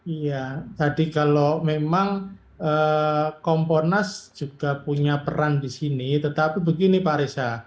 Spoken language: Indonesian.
iya tadi kalau memang komponas juga punya peran di sini tetapi begini pak reza